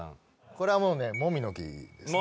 これはもうねもみの木ですね